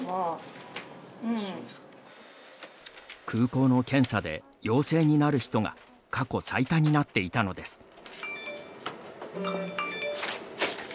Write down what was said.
空港の検査で陽性になる人が過去最多になっていたのです。